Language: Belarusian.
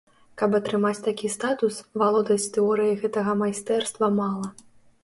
Каб атрымаць такі статус, валодаць тэорыяй гэтага майстэрства мала.